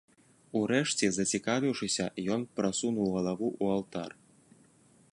Урэшце, зацікавіўшыся, ён прасунуў галаву ў алтар.